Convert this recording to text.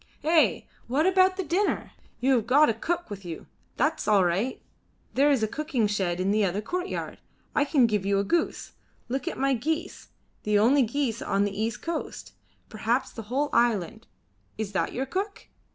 "Eh! what about the dinner? You have got a cook with you. That's all right. There is a cooking shed in the other courtyard. I can give you a goose. Look at my geese the only geese on the east coast perhaps on the whole island. Is that your cook?